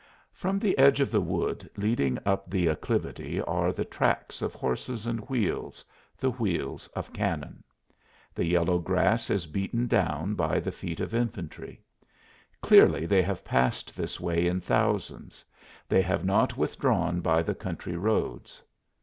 From the edge of the wood leading up the acclivity are the tracks of horses and wheels the wheels of cannon. The yellow grass is beaten down by the feet of infantry. Clearly they have passed this way in thousands; they have not withdrawn by the country roads.